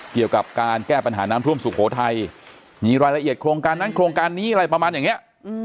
เกี่ยวกับการแก้ปัญหาน้ำท่วมสุโขทัยมีรายละเอียดโครงการนั้นโครงการนี้อะไรประมาณอย่างนี้